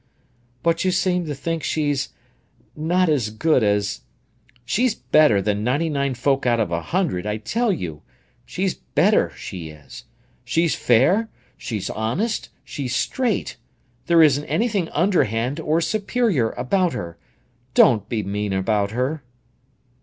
"But you seem to think she's—not as good as—She's better than ninety nine folk out of a hundred, I tell you! She's better, she is! She's fair, she's honest, she's straight! There isn't anything underhand or superior about her. Don't be mean about her!"